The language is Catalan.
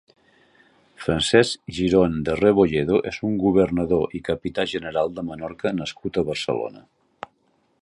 Francesc Girón de Rebolledo és un governador i capità general de Menorca nascut a Barcelona.